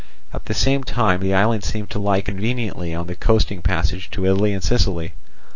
At the same time the island seemed to lie conveniently on the coasting passage to Italy and Sicily.